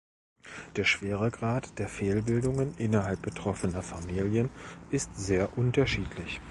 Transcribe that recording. Der Schweregrad der Fehlbildungen innerhalb betroffener Familien ist sehr unterschiedlich.